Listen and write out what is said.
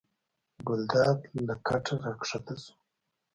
ګلداد له کټه راکښته شو.